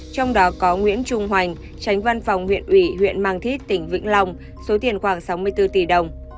trong đó có nguyễn trung hoành tránh văn phòng huyện ủy huyện mang thít tỉnh vĩnh long số tiền khoảng sáu mươi bốn tỷ đồng